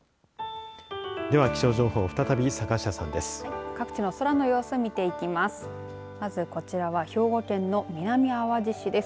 では気象情報再び坂下さんです。